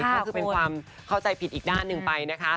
ก็คือเป็นความเข้าใจผิดอีกด้านหนึ่งไปนะคะ